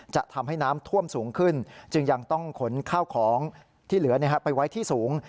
จะทำให้น้ำท่วมสูงขึ้นจึงยังต้องขนข้าวของที่เหลือไปไว้ที่สูง